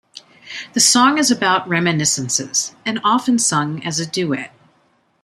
The song is about reminiscences, and often sung as a duet.